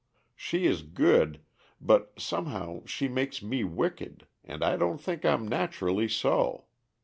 She is good, but somehow she makes me wicked, and I don't think I'm naturally so.